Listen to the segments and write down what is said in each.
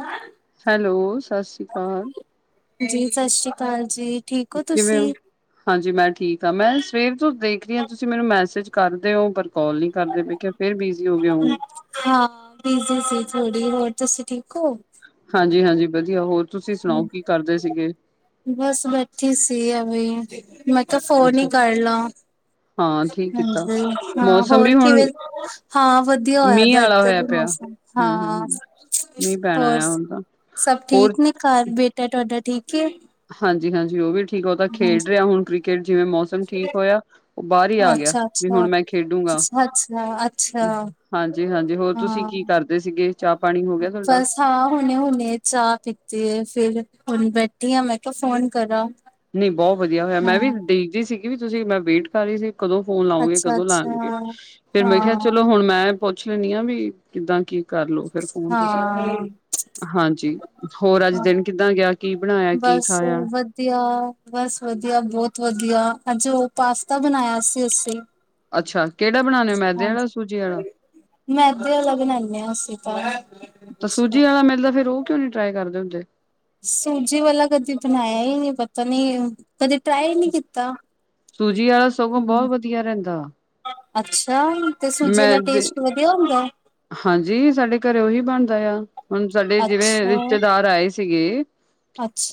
ਹੈ, ਹੈਲੋ ਸਤਿ ਸ੍ਰੀ ਅਕਾਲ, ਜੀ ਸਤਿ ਸ੍ਰੀ ਅਕਾਲ ਜੀ, ਠੀਕ ਕਿਵੇਂ ਤੁਸੀਂ ਹੋ? ਹਾਂਜੀ ਮੈਂ ਠੀਕ ਆ ਮੈਂ ਸਵੇਰ ਦੇਖ ਰਹੀ ਆ ਤੁਸੀਂ ਮੈਨੂੰ ਮੈਸੇਜ ਕਰਦੇ ਹੋ? ਕਾਲ ਨਹੀਂ ਕਰਦੇ ਪਏ ਮੈਂ ਕਿਹਾ ਫੇਰ ਬਿਜ਼ੀ ਹੋ ਗਏ ਹੋਗੇ। ਬੀਜੀ ਸੀ ਥੋੜ੍ਹੀ, ਹੋਰ ਤੁਸੀਂ ਠੀਕ ਹੋ? ਹਾਂਜੀ-ਹਾਂਜੀ ਵਧੀਆ, ਹੋਰ? ਤੁਸੀਂ ਸੁਣਾਓ ਹੂੰ, ਕੀ ਕਰਦੇ ਸੀਗੇ ਬਸ ਬੈਠੀ ਸੀ ਐਵੀ। ਜੀ, ਮੈਂ ਤਾਂ ਫੋਨ ਅੱਛਾ ਹੀ ਕਰਲਾ, ਹਾਂ ਠੀਕ ਕੀਤਾ ਹਾਂਜੀ, ਹਾਂ ਮੌਸਮ ਵੀ ਹੋਰ ਕਿਵੇਂ ਹੁਣ ਹਾਂ ਵਧੀਆ ਹੋਇਆ ਮੀਂਹ ਆਲਾ ਹੋਇਆ ਇੱਧਰ ਪਿਆ ਮੌਸਮ ਹਮ ਹਾਂ ਹਮ ਮੀਂਹ ਪੈਣਾ ਹੋਰ ਆ ਹੁਣ ਤਾਂ ਸਭ ਠੀਕ ਨੇ ਘਰ ਬੇਟਾ ਤੁਹਾਡਾ ਠੀਕ ਐ? ਹਾਂਜੀ-ਹਾਂਜੀ ਉਹ ਵੀ ਠੀਕ ਉਹ ਤਾਂ ਖੇਡ ਹਾਂਜੀ ਰਿਹਾ ਹੁਣ ਕ੍ਰਿਕਟ, ਜਿਵੇਂ ਮੌਸਮ ਠੀਕ ਹੋਇਆ? ਉਹ ਬਾਹਰ ਹੀ ਆ ਗਿਆ ਵੀ ਹੁਣ ਮੈਂ ਖੇਡੂੰਗਾ ਅੱਛਾ-ਅੱਛਾ-ਅੱਛਾ-ਅੱਛਾ। ਹਾਂਜੀ ਹਾਂਜੀ ਹੋਰ ਤੁਸੀਂ ਹਾਂ ਕੀ ਕਰਦੇ ਸੀਗੇ ਚਾਹ ਪਾਣੀ ਹੋ ਗਿਆ ਤੁਹਾਡਾ ਬਸ ਹਾਂ ਹੁਣੇ ਹੁਣੇ ਚਾਹ ਪੀਤੀ ਹੈ ਫਿਰ ਹੁਣ ਬੈਠੀ ਹੈ ਮੈਂ ਕਿਹਾ ਫੋਨ ਕਰਾਂ ਨਹੀਂ ਬਹੁਤ ਵਧੀਆ ਹੋਇਆ ਮੈਂ ਵੀ ਹਾਂ ਦੇਖਦੀ ਸੀਗੀ ਵੀ ਤੁਸੀਂ ਮੈਂ ਵੇਟ ਕਰ ਰਹੀ ਸੀ ਕਦੋਂ ਫੋਨ ਲਾਉਗੇ ਕਦੋਂ ਅੱਛਾ-ਅੱਛਾ ਲਾਉਣਗੇ ਫਿਰ ਮੈਂ ਕਿਹਾ ਹਾਂ, ਚਲੋ ਹੁਣ ਮੈਂ ਪੁੱਛ ਲੈਂਣੀ ਹਾਂ ਵੀ ਕਿੱਦਾਂ ਕੀ ਕਰਲੋ ਫਿਰ ਫੋਨ ਤੁਸੀਂ ਹਾਂ ਹਾਂਜੀ ਹੋਰ ਅੱਜ ਦਿਨ ਕਿੱਦਾਂ ਗਿਆ ਕੀ ਬਣਾਇਆ ਕੀ ਬਸ ਖਾਇਆ ਵਧੀਆ ਬਸ ਵਧੀਆ ਬਹੁਤ ਵਧੀਆ ਅੱਜ ਉਹ ਪਾਸਤਾ ਬਣਾਇਆ ਸੀ ਅਸੀਂ ਅੱਛਾ ਕਿਹੜਾ ਬਣਾਲਿਆ ਲਿਆ ਹੋ ਮੈਦੇ ਆ ਹਾਂਜੀ ਸੂਜੀ ਵਾਲਾ ਮੈਦੇ ਵਾਲਾ ਬਣਾਨੇ ਆ ਅਸੀਂ ਤਾਂ ਤਾਂ ਸੂਜੀ ਵਾਲਾ ਮੈਦਾ ਫਿਰ ਉਹ ਕਿਉਂ ਨੀ ਟਰਾਈ ਕਰਦੇ ਹੁੰਦੇ ਸੂਜੀ ਵਾਲਾ ਕਦੀ ਬਣਾਇਆ ਹੀ ਨਹੀਂ ਪਤਾ ਨਹੀਂ ਕਦੇ ਟਰਾਏ ਨੀ ਕੀਤਾ ਸੂਜੀ ਵਾਲਾ ਸਗੋ ਹਾਂਜੀ, ਬਹੁਤ ਵਧੀਆ ਰਹਿੰਦਾ ਅੱਛਾ ਤੇ ਸੂਜੀ ਮੈਂ ਦਾ ਦੇ ਟੇਸਟ ਵਧੀਆ ਹੁੰਦਾ ਹਾਂਜੀ ਸਾਡੇ ਘਰੇ ਵੀ ਬਣਦਾ ਆ ਹੁਣ ਸਾਡੇ ਜਿਵੇਂ ਅੱਛਾ ਰਿਸ਼ਤੇਦਾਰ ਆਏ ਸੀਗੇ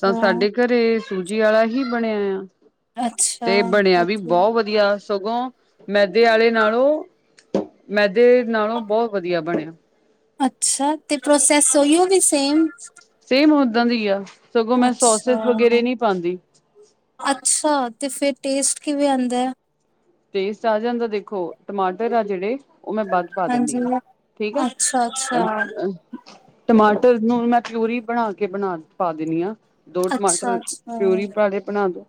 ਤਾਂ ਸਾਡੇ ਘਰੇ ਸੂਜੀ ਵਾਲਾ ਹੀ ਬਣਿਆ ਆ ਅੱਛਾ ਤੇ ਬਣਿਆ ਵੀ ਓਕੇ, ਬਹੁਤ ਵਧੀਆ ਸਗੋ ਮੈਦੇ ਆਲੇ ਨਾਲੋਂ ਮੈਦੇ ਨਾਲੋਂ ਬਹੁਤ ਮੈਦੇ ਵਧੀਆ ਬਣਿਆ ਅੱਛਾ ਤੇ ਪ੍ਰੋਸੈਸ ਉਹੀ ਨੇ ਸੇਮ ਸੇਮ ਉੱਦਾਂ ਦੀ ਆ ਸਗੋਂ ਮੈਂ ਸੋਸਸ ਅੱਛਾ ਵਗੈਰੇ ਨਹੀਂ ਪਾਉਂਦੀ ਅੱਛਾ ਤੇ ਫਿਰ ਟੇਸਟ ਕਿਵੇਂ ਆਉਂਦਾ ਹੈ ਟੇਸਟ ਆ ਜਾਂਦਾ ਦੇਖੋ ਟਮਾਟਰ ਆ ਜਿਹੜੇ ਉਹ ਮੈਂ ਵੱਧ ਪਾ ਹਾਂਜੀ, ਦਿੰਦੀ ਹਾਂ ਠੀਕ ਆ ਅੱਛਾ ਅੱਛਾ, ਟਮਾਟਰ ਨੂੰ ਮੈਂ ਪਿਊਰੀ ਬਣਾ ਕੇ ਬਣਾ ਪਾ ਦਿੰਦੀ ਹਾਂ ਦੋ ਅੱਛਾ ਟਮਾਟਰ ਅੱਛਾ, ਪਿਊਰੀ ਪਾਕੇ ਬਣਾ ਦੋ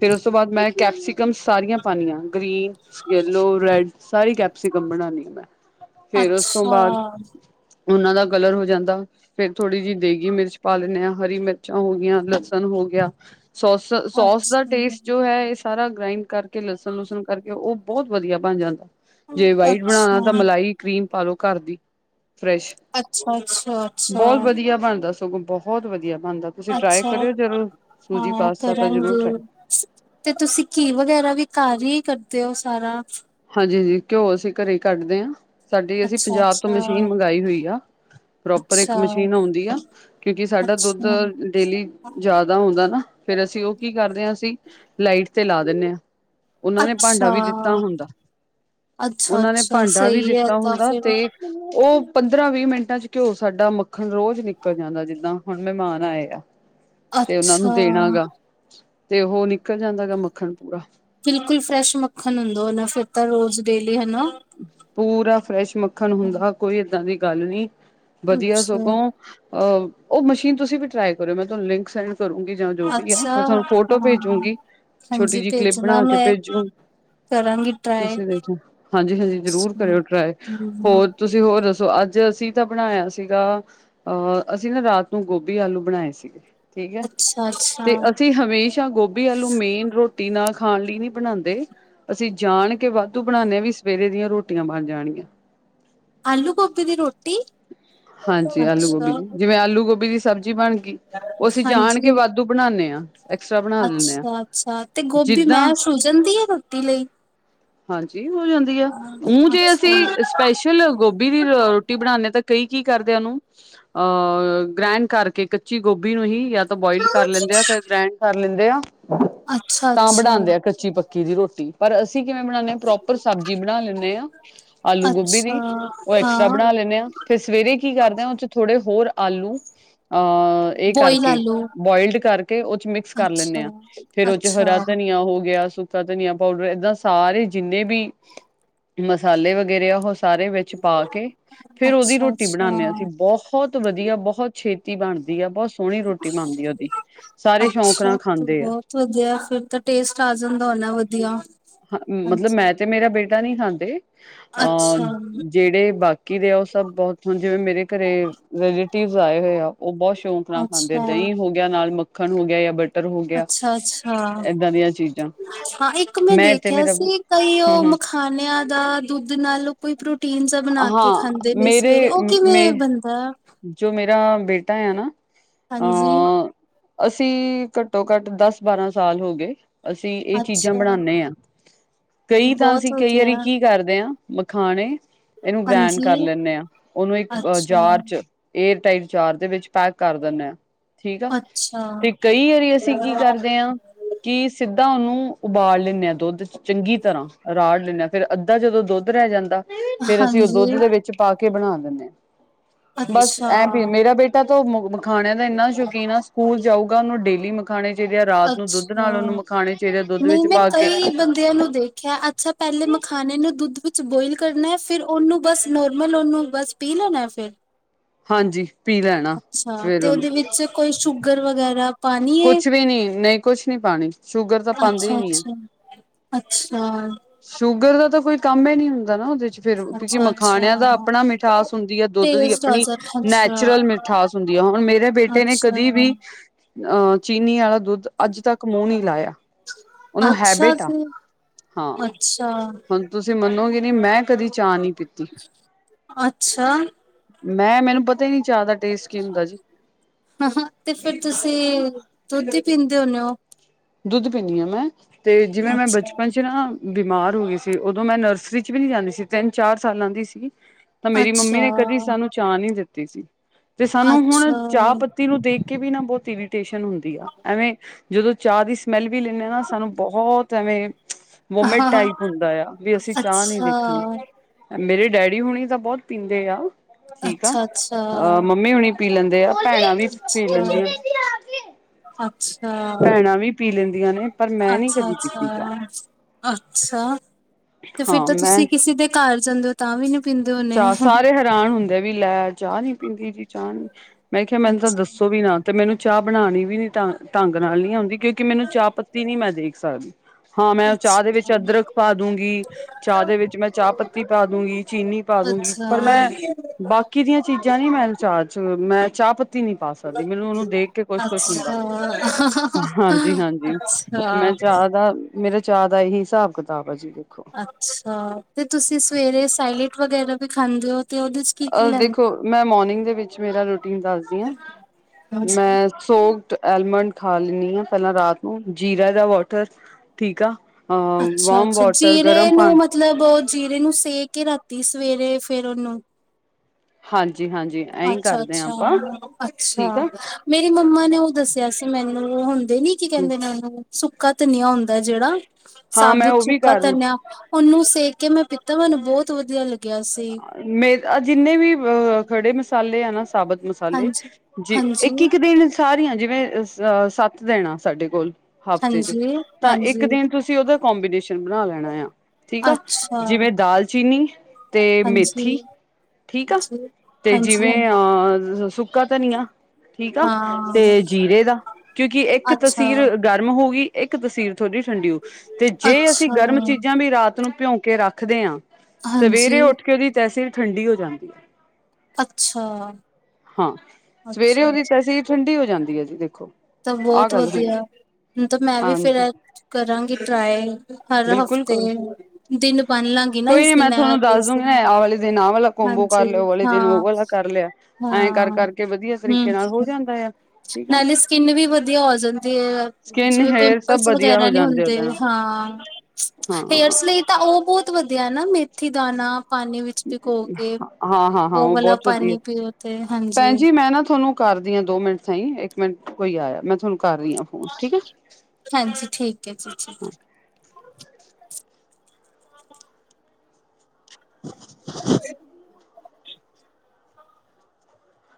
ਫਿਰ ਉਸ ਤੋਂ ਬਾਅਦ ਮੈਂ ਕੈਪਸੀਕਮ ਸਾਰੀਆਂ ਪਾਣੀਆਂ ਗ੍ਰੀਨ ਯਲੋ ਰੈਡ ਸਾਰੀ ਕੈਪਸਿਕਮ ਬਣਾਉਣ ਆ ਮੈਂ ਫੇਰ ਉਸ ਤੋਂ ਅੱਛਾ- ਬਾਅਦ ਉਹਨਾਂ ਦਾ ਕਲਰ ਹੋ ਜਾਂਦਾ ਫਿਰ ਥੋੜੀ ਜਿਹੀ ਦੇਗੀ ਮਿਰਚ ਪਾ ਲੈਂਦੇ ਹਾਂ ਹਰੀ ਮਿਰਚਾਂ ਹੋ ਗਈਆ ਲਸਣ ਹੋ ਗਿਆ ਸੋ ਅੱਛਾ, ਸੋ ਦਾ ਅੱਛਾ। ਟੇਸਟ ਜੋ ਹੈ ਸਾਰਾ ਗ੍ਰਾਈੰਡ ਕਰ ਲਸਣ ਲੁਸਣ ਉਹ ਬਹੁਤ ਵਧੀਆ ਬਣ ਜਾਂਦਾ ਜੇ ਵਾਈਟ ਬਣਾਉਣਾ ਤਾਂ ਮਲਾਈ ਕਰੀਮ ਪਾਲੋ ਘਰ ਦੀ ਫਰੈਸ਼ ਅੱਛਾ ਅੱਛਾ ਅੱਛਾ ਬਹੁਤ ਵਧੀਆ ਬਣਦਾ ਸਗੋਂ ਬਹੁਤ ਵਧੀਆ ਬਣਦਾ ਤੁਸੀਂ ਟਰਾਈ ਅੱਛਾ ਕਰਿਓ ਜ਼ਰੂਰ ਸੂਜੀ ਹਾਂ ਪਾਸਤਾ ਤਾਂ ਜ਼ਰੂਰ ਟਰਾਈ ਕਰਾਂਗੇ ਤੇ ਤੁਸੀਂ ਘੀਹ ਵਗੈਰਾ ਵੀ ਘਰ ਹੀ ਕਰ ਤੇ ਉਹ ਸਾਰਾ ਹਾਂਜੀ ਘਿਓ ਅਸੀਂ ਘਰੇ ਹੀ ਕੱਢਦੇ ਹਾਂ ਸਾਡੀ ਅਸੀਂ ਅੱਛਾ ਪੰਜਾਬ ਤੋਂ ਅੱਛਾ, ਮਸ਼ੀਨ ਮੰਗਾਈ ਹੋਈ ਆ ਪ੍ਰੋਪਰ ਇੱਕ ਅੱਛਾ, ਅੱਛਾ। ਮਸ਼ੀਨ ਆਉਂਦੀ ਆ ਕਿਉਂਕਿ ਸਾਡਾ ਦੁੱਧ ਡੇਲੀ ਜਿਆਦਾ ਹੁੰਦਾ ਨਾ ਫੇਰ ਅਸੀਂ ਉਹ ਕੀ ਕਰਦੇ ਹਾਂ ਅਸੀਂ ਲਾਈਟ ਤੇ ਲਾ ਦਿੰਦੇ ਹਾਂ ਉਹਨਾਂ ਨੇ ਭਾਂਡਾ ਅੱਛਾ, ਵੀ ਦਿੱਤਾ ਹੁੰਦਾ ਅੱਛਾ ਉਹਨਾਂ ਨੇ ਅੱਛਾ ਭਾਂਡਾ ਵੀ ਸਹੀ ਹੈ ਦਿੱਤਾ ਤਾਂ ਹੁੰਦਾ ਫਿਰ ਤੇ ਉਹ ਪੰਦਰਾਂ ਵੀਹ ਮਿੰਟਾਂ ਘਿਓ ਸਾਡਾ ਮੱਖਣ ਰੋਜ਼ ਨਿਕਲ ਜਾਂਦਾ ਜਿੱਦਾਂ ਹੁਣ ਮਹਿਮਾਨ ਆਏ ਆ ਤੇ ਉਹਨਾਂ ਨੂੰ ਅੱਛਾ। ਦੇਣਾ ਗਾ ਤੇ ਉਹ ਨੀ ਬਿਲਕੁਲ ਫਰੈਸ਼ ਮੱਖਣ ਹੁੰਦਾ ਉਹ ਨਾ ਫਿਰ ਤਾਂ ਰੋਜ਼ ਡੇਲੀ ਹਨਾ। ਪੂਰਾ ਫਰੈਸ਼ ਮੱਖਣ ਹੁੰਦਾ ਕੋਈ ਏਦਾਂ ਦੀ ਗੱਲ ਨੀ ਵਧੀਆ ਅੱਛਾ ਸਗੋਂ ਅਹ ਉਹ ਮਸ਼ੀਨ ਤੁਸੀਂ ਵੀ ਟਰਾਈ ਕਰਿਓ ਮੈਂ ਤੁਹਾਨੂੰ ਲਿੰਕ ਕਰੂੰਗੀ ਜਾਂ ਜੋ ਵੀ ਆ ਅੱਛਾ ਮੈਂ ਤੁਹਾਨੂੰ ਫੋਟੋ ਹਾਂ ਭੇਜੂਗੀ ਛੋਟੀ ਹਾਂਜੀ ਜਿਹੀ ਕਲਿਪ ਭੇਜਣਾ ਬਣਾ ਕੇ ਮੈਂ ਭੇਜੂ ਕਰਾਂਗੀ ਟਰਾਈ ਤੁਸੀ ਦੇਖਣਾ ਹਾਂਜੀ ਹਾਂਜੀ ਜ਼ਰੂਰ ਕਰਿਓ ਟਰਾਈ ਹਮ ਹੋਰ ਤੁਸੀਂ ਹੋਰ ਦੱਸੋ ਅੱਜ ਅਸੀਂ ਤਾਂ ਬਣਾਇਆ ਸੀਗਾ ਅਹ ਅਸੀਂ ਨਾ ਰਾਤ ਨੂੰ ਗੋਭੀ ਆਲੂ ਬਣਾਏ ਸੀਗੇ ਠੀਕ ਹੈ ਅੱਛਾ ਅੱਛਾ ਤੇ ਅਸੀਂ ਹਮੇਸ਼ਾ ਗੋਭੀ ਆਲੂ ਮੇਨ ਰੋ ਰੋਟੀ ਨਾਲ ਖਾਣ ਲਈ ਨੀ ਬਣਾਉਂਦੇ ਅਸੀਂ ਜਾਣ ਕੇ ਵਾਧੂ ਬਣਾਉਦੇ ਹਾਂ ਵੀ ਸਵੇਰੇ ਦੀਆਂ ਰੋਟੀਆਂ ਬਣ ਜਾਣੀਆਂ ਆਲੂ ਗੋਭੀ ਦੀ ਰੋਟੀ ਹਾਂਜੀ ਆਲੂ ਅੱਛਾ ਗੋਭੀ ਜਿਵੇਂ ਆਲੂ ਗੋ ਦੀ ਸਬਜ਼ੀ ਬਣ ਉਹ ਅਸੀਂ ਜਾਣ ਕੇ ਹਾਂਜੀ ਵਾਧੂ ਬਣਾਨੇ ਆ, ਐਕਸਟਰਾ ਬਣਾ ਲਿੰਦੇ ਹਾਂ ਅੱਛਾ ਅੱਛਾ ਤੇ ਗੋਭੀ ਜਿੱਦਾਂ ਮੈਂ ਸੁ ਜਾਂਦੀ ਹੈ ਰੋਟੀ ਲਈ ਹਾਂਜੀ ਹੋ ਜਾਂਦੀ ਆ ਓ ਅੱਛਾ ਜੇ ਅਸੀਂ ਅੱਛਾ ਸਪੈਸ਼ਲ ਗੋਭੀ ਦੀ ਰੋਟੀ ਬਣਾਦੇ ਤਾਂ ਕੀ ਕਰਦੇ ਉਹਨੂੰ ਅਹ ਗ੍ਰੈਂਡ ਕਰਕੇ ਕੱਚੀ ਗੋਭੀ ਨੂੰ ਹੀ ਬੋਇਲ ਕਰ ਲੈਂਦੇ ਆ ਤੇ ਗ੍ਰੈਂਡ ਲੈਂਨੇ ਆ। ਤਾਂ ਅੱਛਾ ਬਣਾਦੇ ਆ ਕੱਚੀ ਪ ਕੀਦੀ ਰੋਟੀ ਪਰ ਅਸੀਂ ਕਿਵੇਂ ਬਣਾਦੇ ਐ ਪ੍ਰੋਪਰ ਸਬਜ਼ੀ ਬਣਾ ਲੈਂਨੇ ਆ ਆਲੂ ਗੋਭੀ ਅੱਛਾ ਦੀ ਉਹ ਐਕਸਟਰਾ ਹਾਂ ਬਣਾ ਲੈਂਨੇ ਹਾਂ। ਫਿਰ ਸਵੇਰੇ ਕੀ ਕਰਦੇ ਆ ਉਹ ਚ ਥੋੜੇ ਹੋਰ ਆਲੂ, ਅਹ ਇਹ ਬੋਇਲ ਕਰਕੇ ਆਲੂ ਬੋਆਇਲਡ ਕਰਕੇ ਉਹ ਚ ਮਿਕਸ ਕਰ ਅੱਛਾ ਲੈਂਦੇ ਹਾਂ ਫੇਰ ਉਹ ਚ ਅੱਛਾ ਹਰਾ ਧਨੀਆ ਹੋ ਗਿਆ। ਧਨੀਆ ਪਾਊਡਰ ਏਦਾਂ ਸਾਰੇ ਜਿੰਨੇ ਵੀ ਮਸਾਲੇ ਵਗੈਰੇ ਆ ਉਹ ਸਾਰੇ ਵਿੱਚ ਪਾ ਕੇ ਫੇਰ ਉਹਦੀ ਅੱਛਾ ਰੋਟੀ ਬਣਾਨੇ ਆ ਅੱਛਾ ਅਸੀਂ ਬਹੁਤ ਵਧੀਆ ਬਹੁਤ ਛ ਛੇਤੀ ਬਣਦੀ ਆ ਬਹੁਤ ਉਹਦੀ ਸਾਰੇ ਸ਼ੌਂਕ ਨਾਲ ਅੱਛਾ ਖਾਂਦੇ ਆ ਬਹੁਤ ਵਧੀਆ ਫਿਰ ਤਾਂ ਟੇਸਟ ਆ ਜਾਂਦਾ ਨਾ ਵਧੀਆ। ਹ ਮਤਲਬ ਹਾਂਜੀ ਮੈਂ ਤੇ ਮੇਰਾ ਬੇਟ ਦਾ ਨਹੀਂ ਖਾਂਦੇ ਅਹ ਅੱਛਾ ਜਿਹੜੇ ਬਾਕੀ ਕੀ ਦੇ ਉਹ ਸਭ ਬਹੁਤ ਹੁਣ ਜਿਵੇਂ ਮੇਰੇ ਘਰੇ ਰਿਲੇਟਿਵ ਆਏ ਹੋਏ ਆ। ਉਹ ਬਹੁਤ ਸ਼ੌਕ ਨਾਲ ਖਾਂਦੇ ਅੱਛਾ ਦਹੀਂ ਹੋ ਗਿਆ ਨਾਲ ਮ ਖਣ ਹੋ ਗਿਆ ਹੈ ਬਟ ਤਰ ਹੋ ਗਿਆ ਅੱਛਾ ਅੱਛਾ ਏਦਾਂ ਦੀਆਂ ਚੀਜ਼ਾਂ ਹਾਂ ਇੱਕ ਮੈਂ ਤੇ ਦੇਖਿਆ ਮੇਰਾ ਹੂੰ ਸੀ ਕਈ ਉਹ ਹੂੰ ਮਖਾਨਿਆਂ ਦਾ ਦੁੱਧ ਨਾਲ ਕੋਈ ਪ੍ਰੋ ਟੀਨਜਾ ਬਣਾ ਕੇ ਹਾਂ ਖਾਂਦੇ ਨੇ ਮੇਰੇ ਸਵੇਰੇ ਉਹ ਮੇ ਕਿਵੇਂ ਬਣਦਾ ਐ। ਜੋ ਮੇਰੇ ਮੇਰਾ ਬੇਟਾ ਆ ਨਾ ਹਾਂਜੀ, ਅ ਅਸੀਂ ਘੱਟੋ-ਘੱਟ ਦਸ ਬਾਰਾਂ ਸਾਲ ਹੋ ਗਏ। ਅਸੀਂ ਇਹ ਚੀਜ਼ਾਂ ਅੱਛਾ ਬਣਾਨੇ ਆ ਕਈ ਤਾਂ ਬਹੁਤ ਅਸੀਂ ਕਈ ਵਧੀਆ ਵਾਰੀ ਕੀ ਕਰਦੇ ਆ, ਮਖਾਣੇ ਇਹਨੂੰ ਗ੍ਰੈਂਡ ਕਰ ਹਾਂਜੀ ਲੈਂਦੇ ਆ ਉਹਨੂੰ ਇੱਕ ਅੱਛਾ ਜਾਰ ਚ ਏਅਰਟਾਈਟ ਜਾਰ ਦੇ ਵਿੱਚ ਪੈਕ ਕਰ ਦਿੰਦੇ ਆ। ਠੀਕ ਆ ਅੱਛਾ ਤੇ ਕਈ ਵਾਰੀ ਅਸੀਂ ਕੀ ਕਰਦੇ ਹਾਂ ਕਿ ਸਿੱਧ ਅੱਧਾ ਉਹਨੂੰ ਉਬਾਲ ਲੈਂਦੇ ਹਾਂ ਦੁੱਧ ਚ ਚੰਗੀ ਤਰ੍ਹਾਂ ਰਾੜ ਲੈਂਦੇ ਹਾਂ ਫੇਰ ਅੱਧਾ ਜਦੋਂ ਦੁੱਧ ਰਹਿ ਜਾਂਦਾ ਫੇਰ ਅਸੀਂ ਉਹ ਹਾਂਜੀ ਦੁੱਧ ਦੇ ਵਿੱਚ ਪਾ ਕੇ ਬਣਾ ਦਿੰਦੇ ਹਾਂ। ਬਸ ਅੱਛਾ ਐਂ ਵੀ ਮੇਰਾ ਬੇਟਾ [unintelligible] ਮਖਾਣਿਆਂ ਦਾ ਇੰਨਾ ਸ਼ੌਕੀਨ ਆ ਸਕੂਲ ਜਾਊਗਾ ਉਹਨੂੰ ਡੇਲੀ ਮਖਾਣੇ ਚਾਹੀਦੇ ਆ ਰਾਤ ਨੂੰ ਦੁੱਧ ਅੱਛਾ ਨਾਲ ਉਹਨੂੰ ਮਖਾਣੇ ਚਾਹੀਦੇ ਆ ਦੁੱਧ ਨਹੀਂ ਵਿੱਚ ਮੈਂ ਪਾ ਕੇ ਕਈ ਬੰਦਿਆਂ ਨੂੰ ਦੇਖਿਆ ਅੱਛਾ ਪਹਿਲੇ ਮਖਾਣੇ ਨੂੰ ਦੁੱਧ ਵਿੱਚ ਬੋਇਲ ਕਰਨਾ ਫਿਰ ਉਹਨੂੰ ਬਸ ਨੋਰਮਲ ਉਹਨੂੰ ਬਸ ਪੀਹ ਲੈਣਾ ਫਿਰ ਹਾਂਜੀ। ਪੀ ਲੈਣਾ ਅੱਛਾ ਫੇਰ ਤੇ ਉਹਨੂੰ ਉਹਦੇ ਵਿੱਚ ਕੋਈ ਸ਼ੂਗਰ ਵਗੈਰਾ ਪਾਣੀ ਹੈ ਕੁਛ ਵੀ ਨਹੀਂ ਨਹੀਂ ਕੁਛ ਨਹੀਂ ਪਾਨੀ ਸ਼ੂਗਰ ਤਾਂ ਪਾਉਂਦੇ ਹੀ ਅੱਛਾ ਨਹੀਂ ਆ। ਅੱਛਾ ਅੱਛਾ। ਸ਼ੂਗਰ ਦਾ ਤਾਂ ਕੋਈ ਕੰਮ ਨਹੀ ਹੁੰਦਾ। ਨਾ ਉਹਦੇ ਚ ਫਿਰ ਕਿਉਂਕਿ ਅੱਛਾ ਮਖਾਣਿਆਂ ਦਾ ਅੱਛਾ ਆਪਣਾ ਮਿਠਾਸ ਹੁੰਦੀ ਆ ਦੁੱਧ ਦੀ ਟੇਸਟ ਆ ਆਪਣੀ ਜਾ ਅੱਛਾ ਨੈਚੁਰਲ ਮਿਠਾਸ ਹੁੰਦੀ ਆ ਹੁਣ ਮੇਰੇ ਬੇਟੇ ਨੇ ਅੱਛਾ ਕਦੀ ਵੀ ਅ ਚੀਨੀ ਵਾਲਾ ਦੁੱਧ ਅੱਜ ਤੱਕ ਮੂੰਹ ਨੀ ਲਾਇਆ ਉਹਨੂੰ ਅੱਛਾ ਹੈਬਿਟ ਆ। ਜੀ ਹਾਂ ਅੱਛਾ ਹੁਣ ਤੁਸੀਂ ਮੰਨੋਗੇ ਨਹੀਂ ਮੈਂ ਕਦੀ ਚਾਹ ਨਹੀਂ [unintelligible] ਅੱਛਾ। ਮੈਂ ਮੈਨੂੰ ਪਤਾ ਹੀ ਨਹੀਂ ਚਾਹ ਦਾ ਟੇਸਟ ਕੀ ਹੁੰਦਾ ਜੀ ਹਾਂ ਹਾਂ ਤੇ ਫਿਰ ਤੁਸੀਂ ਦੁੱਧ ਹੀ ਪੀਂਦੇ ਹੁੰਦੇ ਹੁਣੇ ਉ। ਦੁੱਧ ਪੀਂਦੀ ਆ ਮੈਂ ਤੇ ਜਿਵੇਂ ਮੈਂ ਅੱਛਾ ਬਚਪਨ ਚ ਨਾ ਬਿਮਾਰ ਹੋ ਗਈ ਸੀ ਉਦੋਂ ਮੈਂ ਨਰਸਰੀ ਚ ਵੀ ਨਹੀਂ ਜਾਂਦੀ ਸੀ ਤਿੰਨ ਚਾਰ ਸਾਲਾਂ ਦੀ ਸੀਗੀ ਤਾਂ ਮੇਰੀ ਮੰਮੀ ਅੱਛਾ ਨੇ ਕਦੀ ਸਾਨੂੰ ਚਾਹ ਨਹੀ ਦਿੱਤੀ। ਠੀਕ ਸੀ। [unintelligible] ਤੇ ਸਾਨੂੰ ਹੁਣ ਅੱਛਾ ਚਾਹ ਪੱਤੀ ਨੂੰ ਦੇਖ ਕੇ ਵੀ ਨਾ ਬਹੁਤ ਇਰੀਟੇਸ਼ਨ ਹੁੰਦੀ ਆ ਐਵੇਂ ਜਦੋਂ ਚਾਹ ਦੀ ਸਮੈੱਲ ਵੀ ਲੈਣੇ ਹਾਂ ਨਾ ਸਾਨੂੰ ਬਹੁਤ ਤਵੇਂ ਵੋਮੇਟ ਟਾਈਪ ਹੁੰਦਾ ਆ ਵੀ ਅਸੀਂ ਚਾਹ ਨਹੀਂ ਦੇਖਣੀ ਅੱਛਾ ਮੇਰੇ ਡੈਡੀ ਹੁਣੀ ਤਾਂ ਬਹੁਤ ਪੀਂਦੇ ਆ। ਠੀਕ ਆ, ਅੱਛਾ ਅੱਛਾ ਅਹ ਮੰਮੀ ਹੁਣੀ ਪੀ ਲੈਂਦੇ ਆ ਭੈਣਾਂ ਵੀ ਪੀ ਲੈਂਦੀਆਂ। ਅੱਛਾ ਅੱਛਾ ਭੈਣਾਂ ਵੀ ਪੀ ਲੈਂਦੀ ਆਂ ਨੇ। ਪਰ ਮੈਂ ਨੀ ਅੱਛਾ- ਕਦੀ ਪੀਤੀ ਚਾਹ ਅੱਛਾ-ਅੱਛਾ, ਤੇ ਫਿਰ ਹਾਂ ਤਾਂ ਮੈਂ ਤੁਸੀਂ ਕਿਸੇ ਦੇ ਘਰ ਜਾਂਦੇ ਹੋ ਤਾਂ ਵੀ ਪੀਂਦੇ ਹੋਣੇ ਚਾਹ ਸਾਰੇ ਹੈਰਾਨ ਹੁੰਦੇ ਵੀ ਲੈ ਚਾਹ ਨੀ ਪੀਂਦੀ ਜੀ ਚਾਹ ਮੈਂ ਕਿਹਾ, ਮੈਨੂੰ ਤਾਂ ਅੱਛਾ ਦੱਸੋ ਵੀ ਨਾ ਤੇ ਮੈਨੂੰ ਚਾਹ ਬਣਾਣੀ ਵੀ ਨੀ ਤ ਢੰਗ ਨਾਲ ਨੀ ਆਦੀ ਕਿਉਂਕਿ ਮੈਨੂੰ ਚਾਹ ਪੱਤੀ ਨੀ ਮੈਂ ਦੇਖ ਸਕਦੀ। ਹਾਂ, ਮੈਂ ਚਾਹ ਦੇ ਅੱਛਾ ਵਿੱਚ ਅਦਰਕ ਪਾ ਦੂਗੀ ਚਾਹ ਦੇ ਵਿੱਚ ਮੈਂ ਚਾਹ ਪੱਤੀ ਪਾ ਦੂਗੀ ਚੀਨੀ ਪਾ ਦੂਗੀ ਪਰ ਮੈਂ ਅੱਛਾ ਬਾਕੀ ਦੀਆਂ ਚੀਜ਼ਾਂ ਨੀ ਮੈਂ ਚਾਹ ਚ ਮੈਂ ਚਾਹ ਪੱਤੀ ਨੀ ਪਾ ਸਕਦੀ, ਮੈਨੂੰ ਉਹਨੂੰ ਦੇਖ ਕੇ ਕੁਛ-ਕੁਛ ਹੁੰਦਾ ਅੱਛਾ ਹਾਂਜੀ-ਹਾਂਜੀ ਮੈਂ ਅੱਛਾ ਚਾਹ ਦਾ ਮੇਰਾ ਚਾਅ ਦਾ ਇਹੀ ਹਿਸਾਬ ਕਿਤਾਬ ਆ ਜੀ। ਦੇਖੋ। ਅੱਛਾ, ਤੇ ਤੁਸੀਂ ਸਵੇਰੇ ਸੈਲਡ ਵਗੈਰਾ ਵੀ ਖਾਂਦੇ ਹੋ। ਤੇ ਉਹਦੇ ਚ ਕੀ ਕੀ ਦੇਖੋ ਲੈਂਦੇ ਮੈਂ ਮੋਰਨਿੰਗ ਦੇ ਵਿੱਚ ਮੇਰਾ ਰੂਟੀਨ ਦੱਸਦੀ ਹਾਂ ਹੋ ਮੈਂ ਸੋਕਡ ਅਲਮੰਡ ਖਾ ਲੈਣੀ ਹਾਂ ਪਹਿਲਾਂ ਰਾਤ ਨੂੰ ਜੀਰਾ ਦਾ ਵਾਟਰ ਠੀਕ ਆ। ਅ ਅੱਛਾ- ਵਾਰਮ ਅੱਛਾ ਵਾਟਰ ਜੀਰੇ ਗਰਮ ਨੂੰ ਪਾਣੀ ਮਤਲਬ ਜੀਰੇ ਨੂੰ ਸੇਕੇ ਰਾਤੀ ਸਵੇਰੇ ਫੇਰ ਉਹਨੂੰ ਹਾਂਜੀ। ਅੱਛਾ-ਅੱਛਾ-ਅੱਛਾ, ਠੀਕ ਆ ਮੇਰੀ ਮੰਮਾ ਨੇ ਉਹ ਦੱਸਿਆ ਸੀ ਮੈਨੂੰ ਉਹ ਹੁੰ ਦੇ ਲੀ ਕੀ ਕਹਿੰਦੇ ਨੇ ਉਹਨੂੰ ਸੁੱਕਾ ਧਨੀਆ ਹੁੰਦਾ ਜਿਹੜਾ। ਹਾਂ ਮੈਂ ਸਾਬਤ ਉਹ ਵੀ ਸੁੱਕਾ ਕਰ ਧਨਿਆ ਉਹਨੂੰ ਸੇਕ ਕਿ ਮੈਂ ਪੀਤਾ ਮੈਨੂੰ ਬਹੁਤ ਵਧੀਆ ਲਗਿਆ। ਮੇਹ ਜਿੰਨੇ ਵੀ ਅ ਖੜੇ ਮੈਂ ਚਾਲੇ ਹਾ ਨਾ। ਸਾਬਤ ਮਸਾਲੇ ਹਾਂਜੀ ਜੀ ਹਾਂਜੀ ਇੱਕ ਇੱਕ ਦਿਨ ਸਾਰੀਆਂ ਜਿਵੇਂ ਅ ਸੱਤ ਦਿਨ ਆ। ਸਾਡੇ ਕੋਲ। ਹਫ਼ਤੇ ਚ ਹਾਂਜੀ ਤਾਂ ਇੱਕ ਹਾਂਜੀ ਦਿਨ ਤੁਸੀਂ ਉਹਦਾ ਕੋਂਬੀਨੇਸ਼ਨ। ਬਣਾ ਲੈਣਾ ਆ? ਠੀਕ ਆ ਅੱਛਾ ਜਿਵੇਂ ਦਾਲਚੀਨੀ ਤੇ ਹਾਂਜੀ ਮੇਥੀ। ਠੀਕ ਠੀਕ ਆ ਹਾਂਜੀ ਤੇ ਹਾਂਜੀ ਜਿਵੇਂ ਹਾਂਜੀ ਅਹ ਸੁੱਕਾ ਧਨੀਆ ਠੀਕ ਆ ਤੇ ਹਾਂ ਜੀਰੇ ਦਾ ਕਿਉਂਕਿ ਇੱਕ ਅੱਛਾ ਤਸੀਰ ਗਰਮ ਹੋ ਗਈ। ਇੱਕ ਤਸੀਰ। ਥੋੜ੍ਹੀ ਠੰਡੀ ਉਹ ਜੇ ਅਸੀਂ ਅੱਛਾ ਗਰਮ ਚੀਜ਼ਾਂ ਵੀ ਰਾਤ ਨੂੰ। ਭਿਉਂਕੇ ਰੱਖਦੇ ਹਾਂ? ਹਾਂਜੀ ਸਵੇਰੇ ਉੱਠ ਕੇ ਉਹਦੀ? ਸਵੇਰੇ ਠੰਡੀ ਹੋ ਜਾਂਦੀ ਹੈ। ਅੱਛਾ। ਹਾਂ। ਸਵੇਰੇ ਅੱਛਾ ਉਹਦੀ ਤਸੀਰ ਠੰਡੀ ਹੋ ਜਾਂਦੀ ਹੈ ਜੀ ਦੇਖੋ। ਤਾਂ ਆਹ ਬਹੁਤ ਗੱਲ ਹੁੰਦੀ ਵਧੀਆ ਹੁਣ ਤਾਂ ਮੈਂ ਵੀ ਹਾਂਜੀ ਫੇਰ ਕਰਾਂਗੀ ਟਰਾਈ। ਹੈ। ਬਿਲਕੁਲ ਕਰ ਬਣ ਲਾਂਗੀ ਨਾ ਕੋਈ ਇਸ ਨੀ ਮੈਂ ਦਿਨ ਐ ਤੁਹਾਨੂੰ ਤੇ ਦੱਸ ਇਸ ਦਿਨ ਦੂਗੀ ਆ ਵਾਲੇ ਦਿਨ ਆਹ ਵਾਲਾ ਕੋਬੋ ਕਰ ਹਾਂਜੀ ਲਿਆ ਵਾਲੇ ਦਿਨ ਉਹ ਹਾਂ ਵਾਲਾ ਕਰ ਲਿਆ ਐਏਂ ਕਰ ਹਾਂ ਕਰਕੇ ਵਧੀਆ ਹਮ ਤਰੀਕੇ ਨਾਲ ਹੋ ਜਾਂਦਾ ਆ ਠੀਕ ਹੈ ਨਾ। ਨਾਲੇ ਸਕਿੰਨ ਵੀ ਵਧੀਆ ਹੋ ਜਾਂਦੀ ਹੈ ਸਕਿੰਨ ਜਿਵੇਂ ਹੇਅਰ ਸਭ ਪਿੰਪਲਸ ਵਧੀਆ ਵਗੈਰਾ ਹੋ ਨਹੀਂ ਜਾਂਦੇ ਹੁੰਦੇ ਉਹਦੇ ਨਾਲ ਹਾਂ। ਹਾਂ ਹੇਅਰਸ ਲਈ ਤਾਂ ਉਹ ਬਹੁਤ ਵਧੀਆ ਨਾ ਮੇ। ਮੇਥੀ ਦਾਨਾ। ਪਾਣੀ ਵਿੱਚ ਭਿਉਂ ਕੇ ਹਾਂ ਹਾਂ ਹਾਂ ਉਹ ਵਾਲਾ ਬਹੁਤ ਵਧੀਆ ਪਾਣੀ ਪੀਓ ਤੇ ਭੈਣ ਹਾਂਜੀ। ਜੀ ਮੈਂ ਨਾ ਤੁਹਾਨੂੰ ਕਰਦੀ ਹਾਂ ਦੋ ਮਿੰਟ ਸਹੀ ਇੱਕ ਮਿੰਟ ਕੋਈ ਆਇਆ ਮੈਂ ਤੁਹਾਨੂੰ। ਕਰ ਰਹੀ ਹਾਂ ਫੋਨ ਠੀਕ ਹੈ ਹਾਂਜੀ ਠੀਕ ਹੈ ਜੀ ਜੀ ਹਾਂ। ਦਵਾਈ ਦੇ।